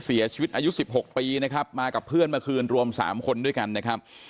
เสียชีวิตอายุ๑๖ปีนะครับมากับเพื่อนมาคลุมเป็นรวมสามคนด้วยกันนะครับ